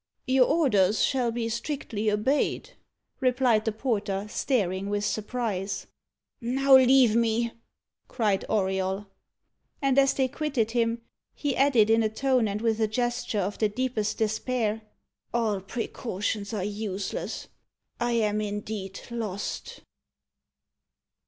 "Your orders shall be strictly obeyed," replied the porter, staring with surprise. "Now leave me," cried Auriol. And as they quitted him, he added, in a tone and with a gesture of the deepest despair, "All precautions are useless. I am indeed lost!"